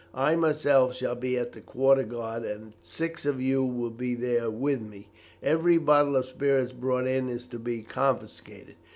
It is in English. I myself shall be at the quarter guard, and six of you will be there with me. Every bottle of spirits brought in is to be confiscated.